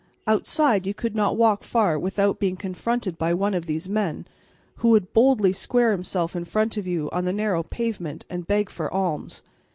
Outside you could not walk far without being confronted by one of these men, who would boldly square himself in front of you on the narrow pavement and beg for alms.